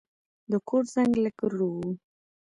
د کور زنګ لږ ورو و.